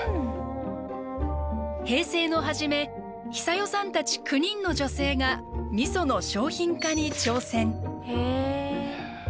平成の初めヒサヨさんたち９人の女性がみその商品化に挑戦。